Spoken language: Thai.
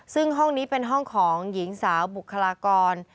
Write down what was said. ซึ่งห้องนี้เป็นห้องของหญิงสาวบุคลากร